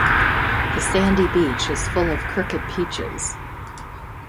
The sandy beach is full of crooked peaches.